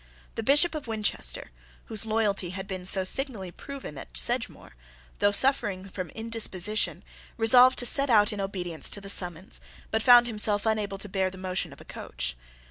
The Bishop of Winchester, whose loyalty had been so signally proved at Sedgemoor, though suffering from indisposition, resolved to set out in obedience to the summons, but found himself unable to bear the motion of a coach.